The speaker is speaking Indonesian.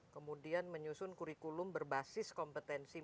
kemudian menyusun kurikulum berbasis kompetensi